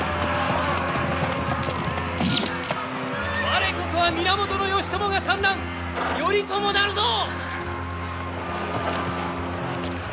我こそは源義朝が三男頼朝なるぞ！